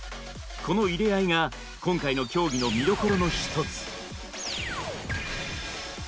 この入れ合いが今回の競技の見どころの一つ。